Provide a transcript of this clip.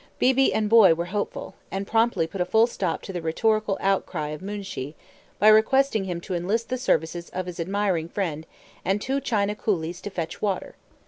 Beebe and Boy were hopeful, and promptly put a full stop to the rhetorical outcry of Moonshee by requesting him to enlist the services of his admiring friend and two China coolies to fetch water.